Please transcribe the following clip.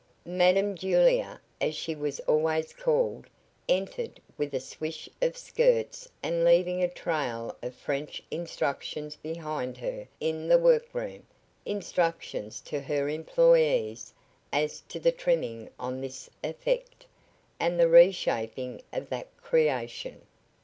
Madam Julia, as she was always called, entered with a swish of skirts and leaving a trail of French instructions behind her in the work room instructions to her employees as to the trimming on this "effect" and the reshaping of that "creation."